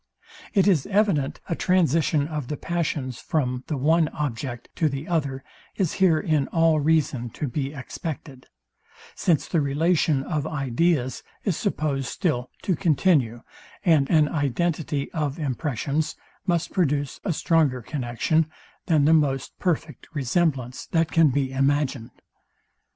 It is evident a transition of the passions from the one object to the other is here in all reason to be expected; since the relation of ideas is supposed still to continue, and identity of impressions must produce a stronger connexion, than the most perfect resemblance, that can be imagined.